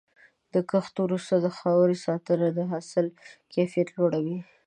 د کښت وروسته د خاورې ساتنه د حاصل کیفیت لوړوي.